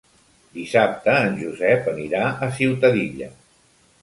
Dissabte en Josep anirà a Ciutadilla.